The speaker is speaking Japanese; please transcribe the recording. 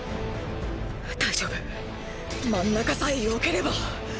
大丈夫真ん中さえ避ければ！